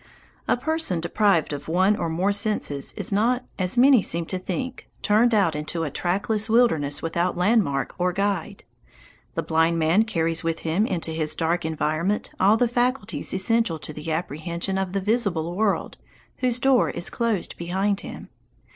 A person deprived of one or more senses is not, as many seem to think, turned out into a trackless wilderness without landmark or guide. The blind man carries with him into his dark environment all the faculties essential to the apprehension of the visible world whose door is closed behind him.